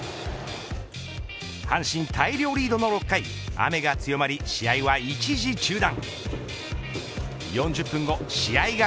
阪神大量リードの６回雨が強まり、試合は一時中断。